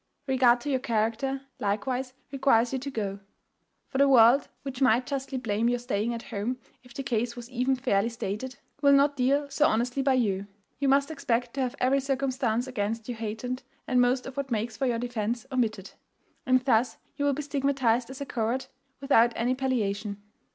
Regard to your character, likewise, requires you to go; for the world, which might justly blame your staying at home if the case was even fairly stated, will not deal so honestly by you: you must expect to have every circumstance against you heightened, and most of what makes for your defence omitted; and thus you will be stigmatized as a coward without any palliation.